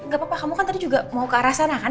gak apa apa kamu kan tadi juga mau ke arah sana kan